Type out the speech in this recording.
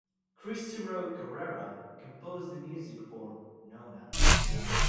Cristy Road Carrera composed the music for "Nona".